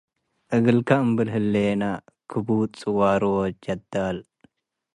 እግልከ እምብል ህሌነ - ክቡድ ጽዋሩ ወጀደል